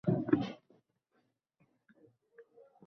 Kimxob topilmasa, yaraydi-ku bo’z.